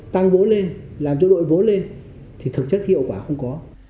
tăng vốn lên làm cho đội vốn lên thì thực chất hiệu quả không có